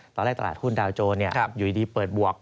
ตลาดหุ้นดาวโจรอยู่ดีเปิดบวก